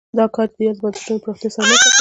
دا کار د یادو بنسټونو پراختیا سره مرسته کوي.